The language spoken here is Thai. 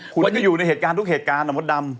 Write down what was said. คุณก็อยู่ในเหตุการณ์ทุกเหตุการณ์อ่ะมดดำ